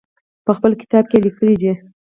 په خپل کتاب کې یې لیکلي دي.